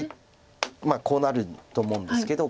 まあこうなると思うんですけど。